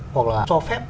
hoặc là cho phép